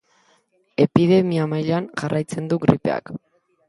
Epidemia mailan jarraitzen du gripeak.